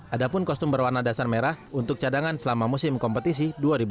ada pun kostum berwarna dasar merah untuk cadangan selama musim kompetisi dua ribu dua puluh